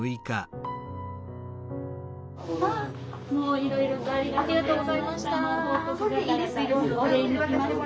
いろいろとありがとうございました。